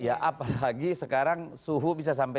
ya apalagi sekarang suhu bisa sampai tiga lima